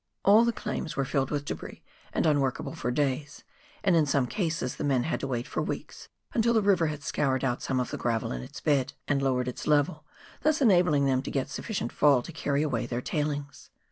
All the claims were filled with debris, and unworkable for days, and in some cases the men had to wait for weeks, until the river had scoured out some of the gravel in its bed, and lowered its level, thus enabling them to get sufficient fall to carry away their " tailings."